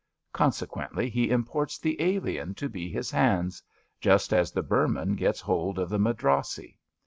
Consequently he imports the alien to be his hands — ^just as thfe Burman gets hold of the Madrassi.